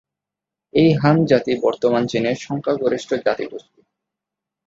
এই হান জাতি বর্তমান চীনের সংখ্যাগরিষ্ঠ জাতিগোষ্ঠী।